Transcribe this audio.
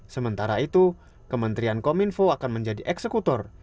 sementara itu kementerian kominfo akan menjadi eksekutor